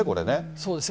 そうですね。